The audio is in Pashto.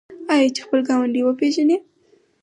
آیا چې خپل ګاونډی وپیژني؟